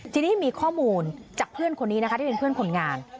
ทีนี้มีข้อมูลจากเพื่อนคนนี้นะคะที่เป็นเพื่อนคนงาน